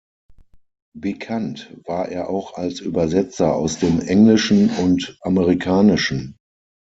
Bekannt war er auch als Übersetzer aus dem Englischen und Amerikanischen.